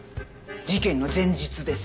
事件の前日です。